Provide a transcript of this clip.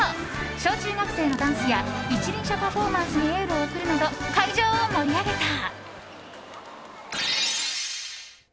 小中学生のダンスや一輪車パフォーマンスにエールを送るなど会場を盛り上げた。